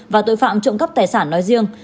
và tội phạm trộm cắp tài sản nói riêng